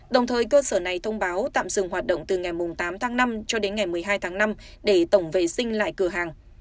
đồng thời cơ sở này thông báo tạm dừng hoạt động từ ngày tám tháng năm cho đến ngày một mươi hai tháng năm để tổng vệ sinh lại cửa hàng